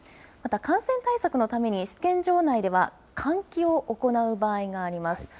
また、感染対策のために、試験場内では換気を行う場合があります。